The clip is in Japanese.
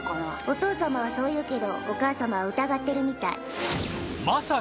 お父様はそう言うけどお母様は疑ってるみたい。